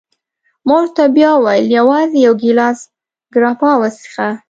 ما ورته بیا وویل: یوازي یو ګیلاس ګراپا وڅېښه.